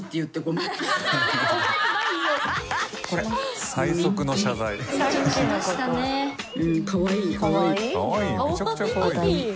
めちゃくちゃかわいいじゃん。